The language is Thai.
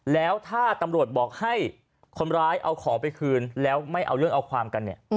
แล้วถ้าตำรวจบอกให้คนร้ายเอาของไปคืนแล้วไม่เอาเรื่องเอาความกันเนี่ย